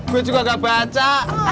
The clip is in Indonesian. gue juga gak baca